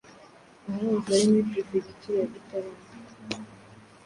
ahahoze ari muri Perefegitura ya Gitarama.